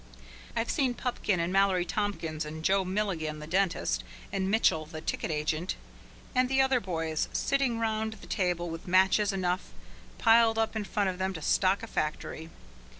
I've seen Pupkin and Mallory Tompkins and Joe Milligan, the dentist, and Mitchell the ticket agent, and the other "boys" sitting round the table with matches enough piled up in front of them to stock a factory.